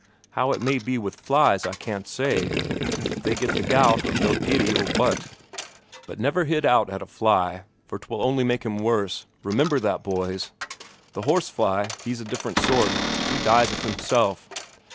How it may be with flies, I can't say, if they get the gout, or feel giddy, or what. But never hit out at a fly, for 'twill only make him worse remember that, boys! The horsefly he's a different sort, he dies of himself.